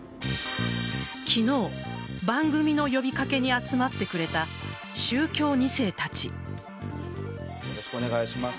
昨日、番組の呼び掛けに集まってくれた宗教２世たち。